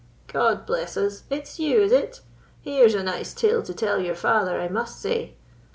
"God bless us! it's you, is it? Here's a nice tale to tell your father, I must say!"